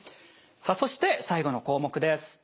さあそして最後の項目です。